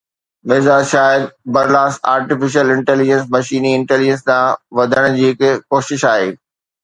Mirza Shahid Barlas artificial intelligence مشيني intelligence ڏانهن وڌڻ جي هڪ ڪوشش آهي